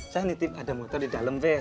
saya nitip ada motor di dalam bus